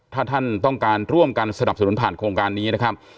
ถ้าท่านต้องการร่วมกันสนับสนุนผ่านโครงการนี้นะครับ